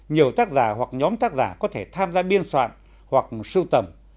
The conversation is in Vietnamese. nhiều tác giả hoặc nhóm tác giả có thể tham gia biên soạn hoặc sưu tầm